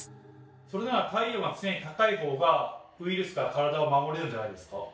それなら体温は常に高いほうがウイルスから体を守れるんじゃないですか？